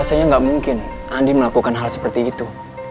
rasanya gak mungkin andin melakukan hal seperti itu